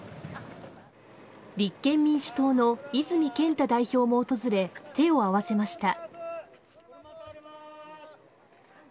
立憲民主党の泉健太代表も訪れ手を合わせました。